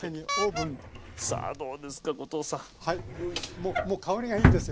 ももう香りがいいですよ